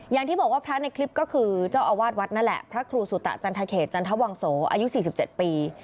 อย่างที่บอกว่าพระในคลิปก็คือเจ้าอาวาสวัดนั่นแหละพระครูสุตะจันทเขตจันทวังโสอายุ๔๗ปี